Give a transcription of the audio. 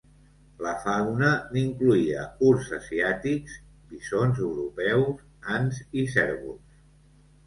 La fauna n'incloïa urs asiàtics, bisons europeus, ants i cérvols.